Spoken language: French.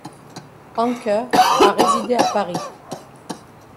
Anker a résidé à Paris.